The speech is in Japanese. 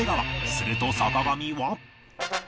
すると坂上は